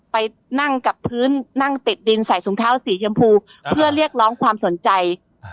ไปนั่งกับพื้นนั่งติดดินใส่ถุงเท้าสีชมพูเพื่อเรียกร้องความสนใจ